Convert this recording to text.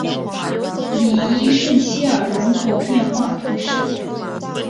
里伊圣西尔人口变化图示